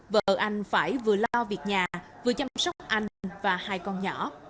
vợ anh phải vừa lo việc nhà vừa chăm sóc anh và hai con nhỏ